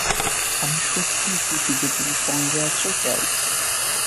আমি সত্যিই খুশি যে তুমি সঙ্গে আছো, টেলস।